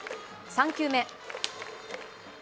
３球目。